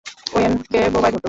ওয়েনকে বোবায় ধরত।